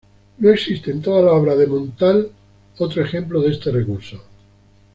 No existe en toda la obra de Montale otro ejemplo de este recurso.